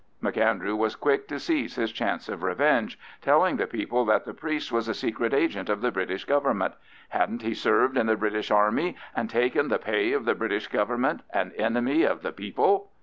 M'Andrew was quick to seize his chance of revenge, telling the people that the priest was a secret agent of the British Government—hadn't he served in the British Army and taken the pay of the British Government, an enemy of the people?